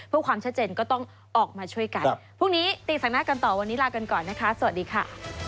เพื่อความชัดเจนก็ต้องออกมาช่วยกันพรุ่งนี้ตีแสงหน้ากันต่อวันนี้ลากันก่อนนะคะสวัสดีค่ะ